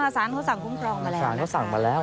สารเขาสั่งพรุ่งพรองมาแล้ว